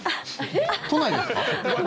都内ですか？